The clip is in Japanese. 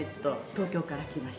東京から来ました。